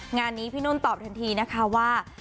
งานนี้พี่นุ่นตอบทันทีนะคะว่า